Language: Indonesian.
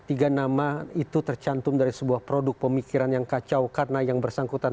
tiga nama itu tercantum dari sebuah produk pemikiran yang kacau karena yang bersangkutan